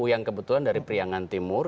yang kebetulan dari priangan timur